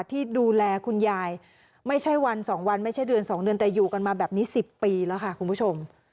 ที่ดูแลคุณยายไม่ใช่วันสองวันไม่ใช่เดือน๒เดือนแต่อยู่กันมาแบบนี้๑๐ปีแล้วค่ะคุณผู้ชม